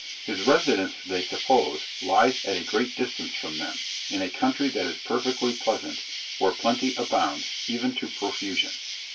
His residence, they suppose, lies at a great distance from them, in a country that is perfectly pleasant, where plenty abounds, even to profusion.